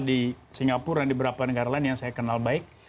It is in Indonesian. di singapura dan di beberapa negara lain yang saya kenal baik